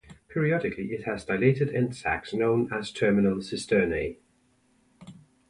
Periodically, it has dilated end sacs known as terminal cisternae.